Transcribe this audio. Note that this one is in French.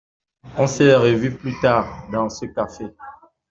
On s’est revu plus tard, dans ce café.